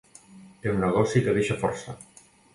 Té un negoci que deixa força.